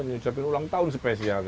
ngucapin ulang tahun spesial